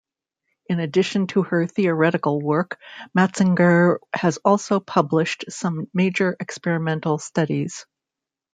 In addition to her theoretical work, Matzinger has also published some major experimental studies.